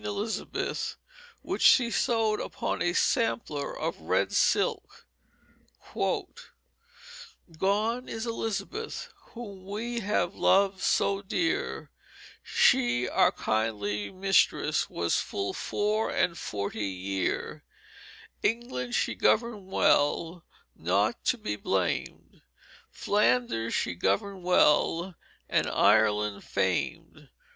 Elizabeth, which she sewed upon a Sampler of Red Silk": "Gone is Elizabeth whom we have loved so dear, She our kind Mistress was full four and Forty Year, England she govern'd well not to be blamed. Flanders she govern'd well, and Ireland famed.